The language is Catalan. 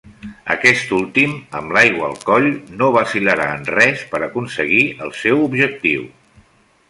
Aquest últim, amb l'aigua al coll, no vacil·larà en res per aconseguir el seu objectiu.